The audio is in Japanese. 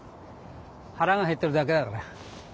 腹が減ってるだけだから。